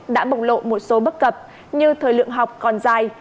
đã bộc lộ một số bất cập như thời lượng học còn dài